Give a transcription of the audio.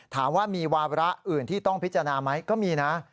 ถามว่ามีวาระอื่นที่ต้องพิจารณาไหมก็มีนะ